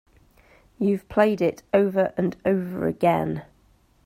You've played it over and over again.